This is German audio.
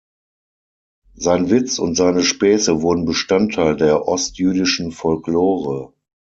Sein Witz und seine Späße wurden Bestandteil der ostjüdischen Folklore.